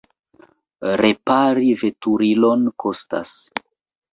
Repari veturilon kostas.